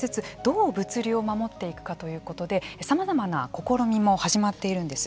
どう物流を守っていくかということでさまざまな試みも始まっているんです。